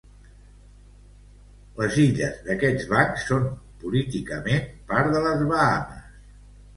Les illes d'aquests bancs són políticament part de les Bahames.